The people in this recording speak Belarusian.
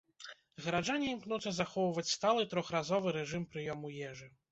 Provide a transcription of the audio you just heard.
Гараджане імкнуцца захоўваць сталы трохразовы рэжым прыёму ежы.